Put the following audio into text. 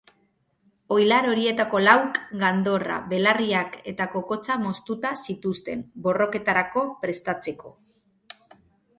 Oilar horietako lauk gandorra, belarriak eta kokotsa moztuta zituzten, borroketarako prestatzeko.